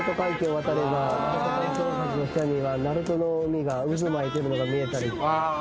渡れば鳴門海峡大橋の下には鳴門の海が渦巻いてるのが見えたりああ